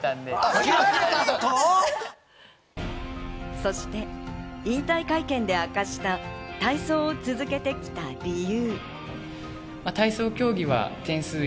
そして引退会見で明かした体操を続けてきた理由。